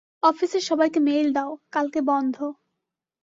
অফিসের সবাইকে মেইল দাও, কালকে বন্ধ।